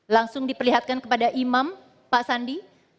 langsung diperlihatkan kepada imam pak sandi